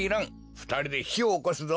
ふたりでひをおこすぞ。